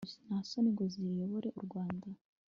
ntasoni ngo ziyobore u rwanda